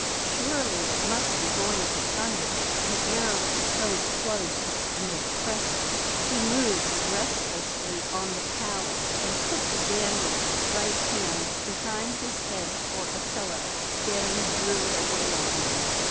Surely it must be going to thunder; the air was so close and oppressive. He moved restlessly on the pallet and put the bandaged right hand behind his head for a pillow; then drew it away again.